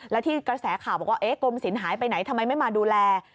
แล้วที่กระแสข่าวบอกว่ากรมศิลปหายไปไหนทำไมไม่มาดูแล